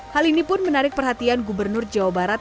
hal ini pun menarik perhatian gubernur jawa barat